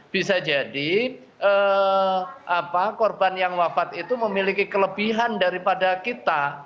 bisa jadi korban yang wafat itu memiliki kelebihan daripada kita